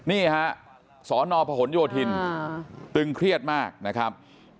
นี่ฮะสนพหนโยธินตึงเครียดมากนะครับ